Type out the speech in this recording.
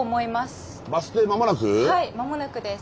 はい間もなくです。